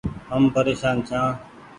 هم پريشان ڇآن ۔